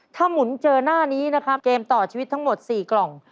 ถ้าหมุนเจอหน้านี้นะครับเกมต่อชีวิตทั้งหมด๔กล่อง